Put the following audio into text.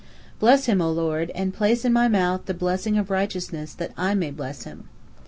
Bless him, O Lord, and place in my mouth the blessing of righteousness, that I may bless him."